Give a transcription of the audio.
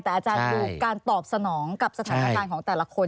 แต่อาจารย์ดูการตอบสนองกับสถานการณ์ของแต่ละคน